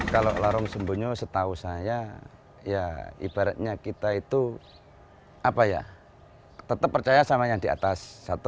kalau laru sembonyo setahu saya ibaratnya kita itu tetap percaya sama yang di atas